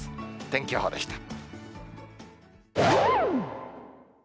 天気予報でした。